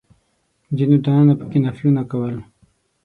ځینو دننه په کې نفلونه کول.